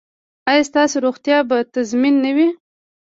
ایا ستاسو روغتیا به تضمین نه وي؟